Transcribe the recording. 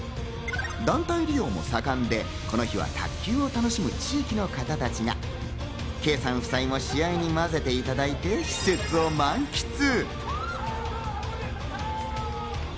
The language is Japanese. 団体利用も盛んで、この日は卓球を楽しむ地域の方たちがケイさん夫妻も試合にまぜていただいて施設を満喫。